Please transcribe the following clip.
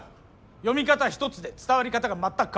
読み方一つで伝わり方が全く変わる。